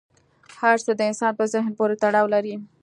هر څه د انسان په ذهن پورې تړاو لري.